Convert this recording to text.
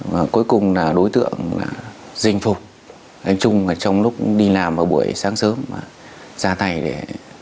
và cuối cùng là đối tượng là dình phục anh trung trong lúc đi làm ở buổi sáng sớm ra tay để